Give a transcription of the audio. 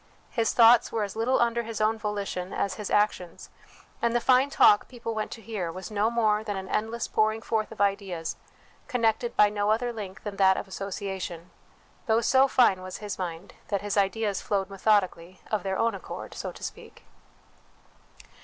His thoughts were as little under his own volition as his actions, and the fine talk people went to hear was no THE WILL CONSCIENCE DIVINE LIFE 319 more than an endless pouring forth of ideas connected by no other link than that of association ; though so fine was his mind, that his ideas flowed methodically of their own accord, so to speak.